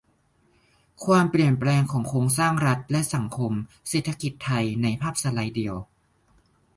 ความเปลี่ยนแปลงของโครงสร้างรัฐ และ สังคม-เศรษฐกิจไทย ในภาพสไลด์เดียว